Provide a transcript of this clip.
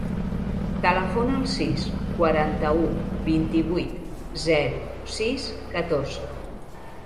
Telefona al sis, quaranta-u, vint-i-vuit, zero, sis, catorze.